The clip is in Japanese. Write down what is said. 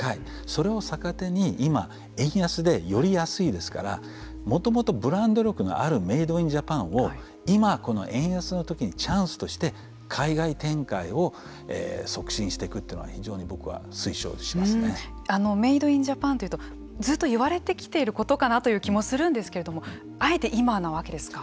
それを逆手に今、円安でより安いですからもともとブランド力があるメード・イン・ジャパンを今、この円安のときにチャンスとして海外展開を促進していくというのはメード・イン・ジャパンというとずっと言われてきていることかなという気もするんですけれどもあえて今なわけですか。